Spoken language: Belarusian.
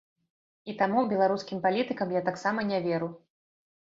І таму беларускім палітыкам я таксама не веру.